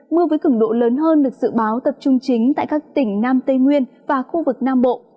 mưa với cứng độ lớn hơn được dự báo tập trung chính tại các tỉnh nam tây nguyên và khu vực nam bộ